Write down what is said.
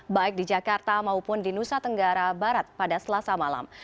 baik di jakarta maupun di nusa tenggara barat pada selasa malam